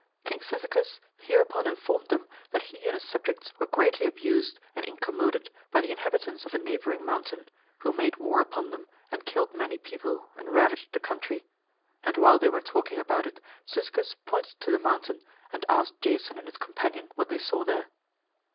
King Cyzicus hereupon informed them that he and his subjects were greatly abused and incommoded by the inhabitants of a neighboring mountain, who made war upon them and killed many people and ravaged the country. And while they were talking about it Cyzicus pointed to the mountain and asked Jason and his companions what they saw there.